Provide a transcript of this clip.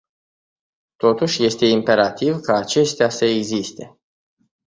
Totuși, este imperativ ca acestea să existe.